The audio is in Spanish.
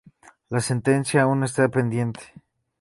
La sentencia aún está pendiente.